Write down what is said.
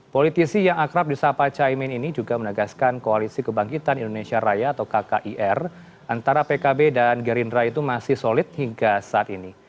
politisi yang akrab di sapa caimin ini juga menegaskan koalisi kebangkitan indonesia raya atau kkir antara pkb dan gerindra itu masih solid hingga saat ini